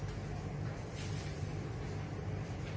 อุบิตหรือไม่